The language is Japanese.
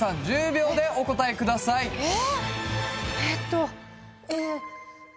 １０秒でお答えくださいえっ！？